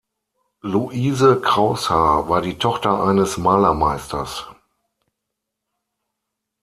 Luise Kraushaar war die Tochter eines Malermeisters.